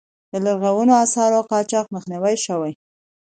د لرغونو آثارو قاچاق مخنیوی شوی؟